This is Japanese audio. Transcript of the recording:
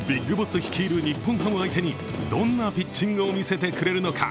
ＢＩＧＢＯＳＳ率いる日本ハム相手にどんなピッチングを見せてくれるのか。